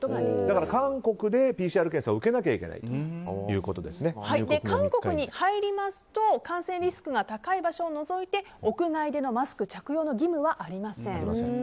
だから韓国でＰＣＲ検査を受けなきゃいけない韓国に入りますと感染リスクが高い場所を除いて屋外でのマスク着用の義務はありません。